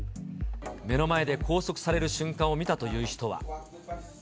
目の前で拘束される瞬間を見たという人は。